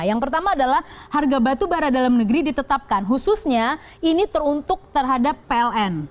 yang pertama adalah harga batubara dalam negeri ditetapkan khususnya ini teruntuk terhadap pln